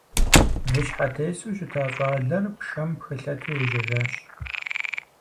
Выщхьэтесу щыта щӀалэр пшэм пхылъэту ежьэжащ.